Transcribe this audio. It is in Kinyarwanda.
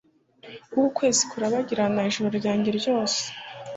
Wowe ukwezi kurabagirana ijoro ryanjye ryose.